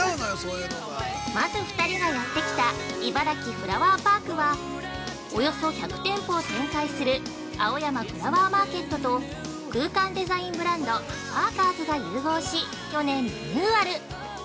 ◆まず２人がやってきた「いばらきフラワーパーク」は、およそ１００店舗を展開する「青山フラワーマーケット」と空間デザインブランド「パーカーズ」が融合し、去年リニューアル。